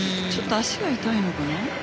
足が痛いのかな。